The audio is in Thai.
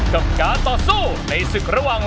กับการต่อสู้ในศึกระหว่าง